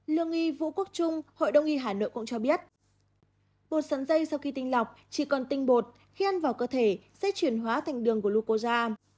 lương y vũ quốc trung hội đồng y hà nội cũng cho biết bột sắn dây sau khi tinh lọc chỉ còn tinh bột khi ăn vào cơ thể sẽ chuyển hóa thành đường glucosa